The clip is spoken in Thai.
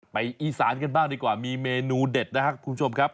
อีสานกันบ้างดีกว่ามีเมนูเด็ดนะครับคุณผู้ชมครับ